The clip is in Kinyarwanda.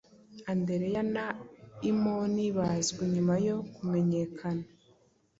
Andereya na imoni, bazwi nyuma yo kumenyekana